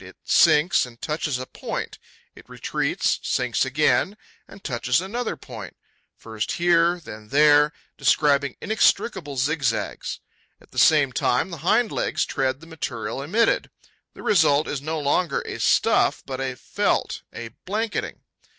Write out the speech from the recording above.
It sinks and touches a point; it retreats, sinks again and touches another point, first here, then there, describing inextricable zigzags. At the same time, the hind legs tread the material emitted. The result is no longer a stuff, but a felt, a blanketing.